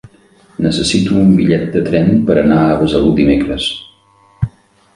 Necessito un bitllet de tren per anar a Besalú dimecres.